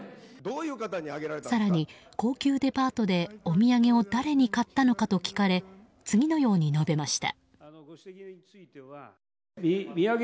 更に、高級デパートでお土産を誰に買ったのかと聞かれ次のように述べました。